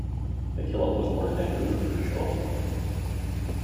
McKillip was born in Vancouver, British Columbia.